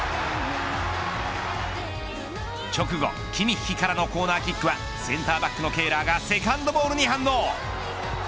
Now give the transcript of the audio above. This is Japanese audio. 直後、キミッヒからのコーナーキックはセンターバックのケーラーがセカンドボールに反応。